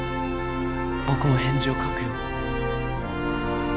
．僕も返事を書くよ。